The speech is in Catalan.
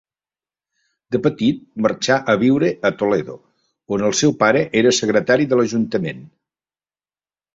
De petit marxà a viure a Toledo, on el seu pare era secretari de l'ajuntament.